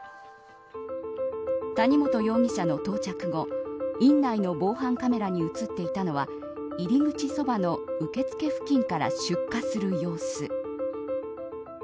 谷本容疑者の到着後院内の防犯カメラに映っていたのは入口側の受付付近から出火する様子。